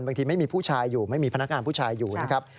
ไม่มีผู้ชายอยู่ไม่มีพนักงานผู้ชายอยู่นะครับ